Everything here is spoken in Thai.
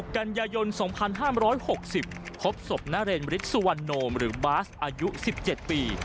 ๒๖กันยยนต์๒๕๖๐ครบศพนเรนบริษวรรณโนมหรือบาสอายุ๑๗ปี